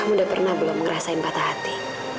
kamu udah pernah belum ngerasain patah hati